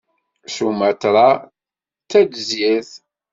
Sumatra d tadzirt.